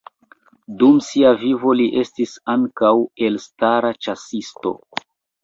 Dum sia vivo li estis ankaŭ elstara ĉasisto.